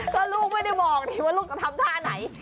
ก็ลูกไม่ได้บอกดิว่าลูกจะทำท่าไหน